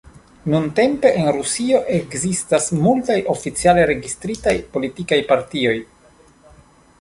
Nuntempe en Rusio ekzistas multaj oficiale registritaj politikaj partioj.